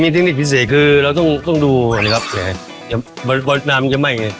มีเทคนิคพิเศษคือเราต้องต้องดูอันนี้ครับเดี๋ยวน้ำมันจะไหม้ไง